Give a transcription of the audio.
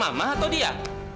mama atau dia